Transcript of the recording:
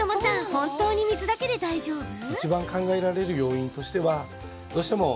本当に水だけで大丈夫なの？